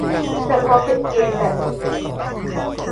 แต่พอเป็นเกมแบบนี้